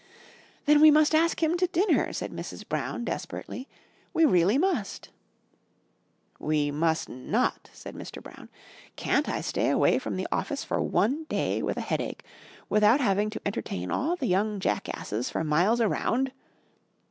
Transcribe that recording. "Then we must ask him to dinner," said Mrs. Brown, desperately. "We really must." "We must not," said Mr. Brown. "Can't I stay away from the office for one day with a headache, without having to entertain all the young jackasses for miles around."